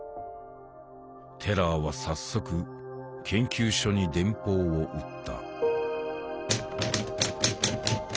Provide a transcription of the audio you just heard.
テラーは早速研究所に電報を打った。